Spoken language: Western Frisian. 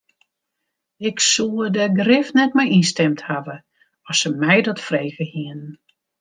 Ik soe der grif net mei ynstimd hawwe as se my dat frege hiene.